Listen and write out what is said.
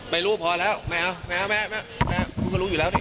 ไม่รู้พอแล้วไม่เอาไม่เอาไม่เอาไม่เอาไม่เอาคุณก็รู้อยู่แล้วสิ